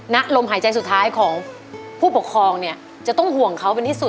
ลมหายใจสุดท้ายของผู้ปกครองเนี่ยจะต้องห่วงเขาเป็นที่สุด